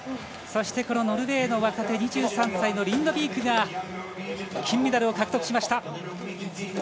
ノルウェーの若手２３歳のリンドビークが金メダルを獲得しました。